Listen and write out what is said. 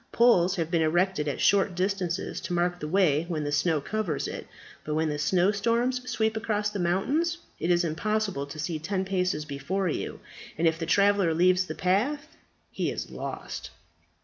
Poles have been erected at short distances to mark the way when the snow covers it. But when the snowstorms sweep across the mountains, it is impossible to see ten paces before you, and if the traveller leaves the path he is lost."